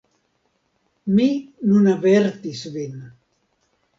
Mi nun avertis vin.